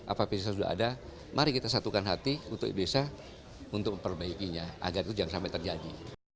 apa bisnis sudah ada mari kita satukan hati untuk indonesia untuk memperbaikinya agar itu jangan sampai terjadi